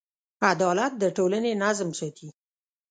عدالت د ټولنې نظم ساتي.